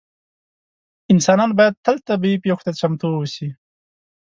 انسانان باید تل طبیعي پېښو ته چمتو اووسي.